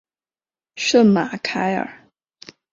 圣马凯尔。